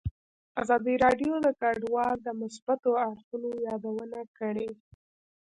ازادي راډیو د کډوال د مثبتو اړخونو یادونه کړې.